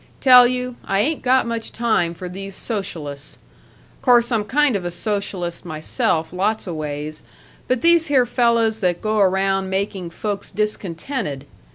Tell you, I ain't got much time for these socialists. Course I'm kind of a socialist myself lots a ways, but these here fellas that go around making folks discontented